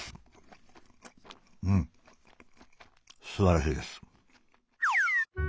うんすばらしいです。